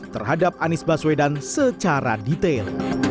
terhadap anies baswedan secara detail